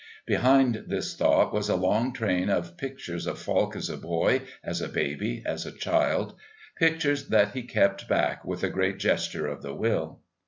(Behind this thought was a long train of pictures of Falk as a boy, as a baby, as a child, pictures that he kept back with a great gesture of the will.)